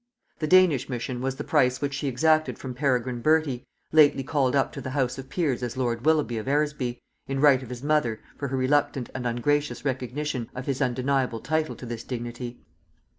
The Danish mission was the price which she exacted from Peregrine Bertie, lately called up to the house of peers as lord Willoughby of Eresby in right of his mother, for her reluctant and ungracious recognition of his undeniable title to this dignity.